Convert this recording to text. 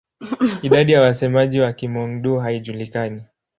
Idadi ya wasemaji wa Kihmong-Dô haijulikani.